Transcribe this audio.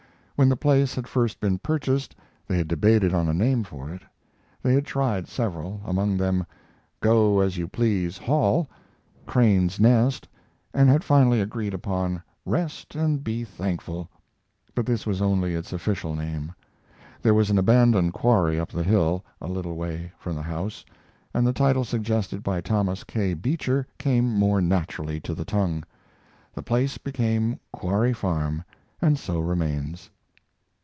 When the place had first been purchased, they had debated on a name for it. They had tried several, among them "Go as you please Hall," "Crane's Nest," and had finally agreed upon "Rest and Be Thankful." But this was only its official name. There was an abandoned quarry up the hill, a little way from the house, and the title suggested by Thomas K. Beecher came more naturally to the tongue. The place became Quarry Farm, and so remains.